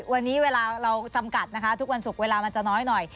วันนี้เวลาเราจำกัดนะคะทุกวันศุกร์เวลามันจะน้อยหน่อย